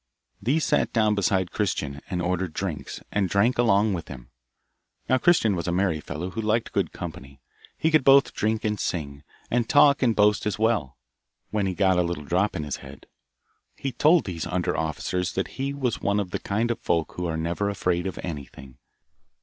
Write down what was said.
These sat down beside Christian, and ordered drinks, and drank along with him. Now Christian was a merry fellow who liked good company; he could both drink and sing, and talk and boast as well, when he got a little drop in his head. He told these under officers that he was one of that kind of folk who never are afraid of anything.